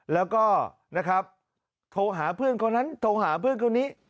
แล้วก็นะครับโทรหาเพื่อนคนนั้นโทรหาเพื่อนคนนี้